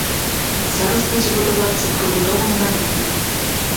Зараз будзе будавацца прыбудова маналітная.